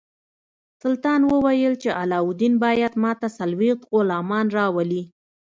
سلطان وویل چې علاوالدین باید ماته څلوېښت غلامان راولي.